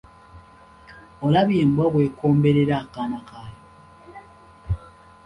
Olabye embwa bw'ekomberera akaana kayo?